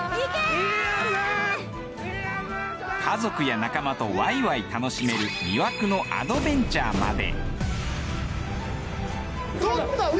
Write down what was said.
家族や仲間とワイワイ楽しめる魅惑のアドベンチャーまで。